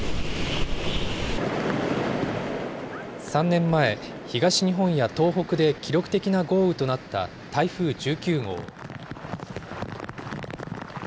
３年前、東日本や東北で記録的な豪雨となった台風１９号。